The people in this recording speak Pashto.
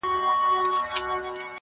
چي یو غم یې سړوم راته بل راسي؛